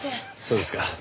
そうですか。